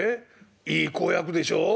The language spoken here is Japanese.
いい公約でしょ？